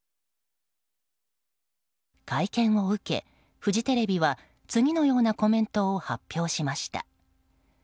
会見を受け、フジテレビは次のようなコメントを発表しました。